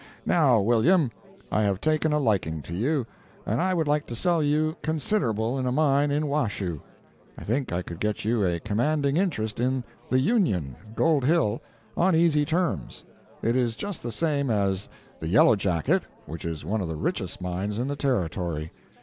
Now, William, I have taken a liking to you, and I would like to sell you "considerable" in a mine in Washoe. I think I could get you a commanding interest in the "Union," Gold Hill, on easy terms. It is just the same as the "Yellow Jacket," which is one of the richest mines in the Territory.